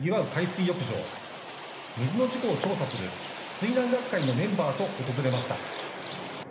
水の事故を調査する水難学会のメンバーと訪れました。